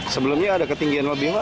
sebelumnya ada ketinggian lebih nggak